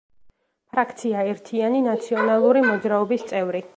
ფრაქცია „ერთიანი ნაციონალური მოძრაობის“ წევრი.